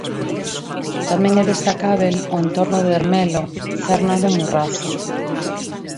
Tamén é destacábel o entorno de Ermelo, cerna do Morrazo.